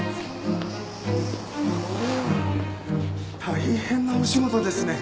大変なお仕事ですね。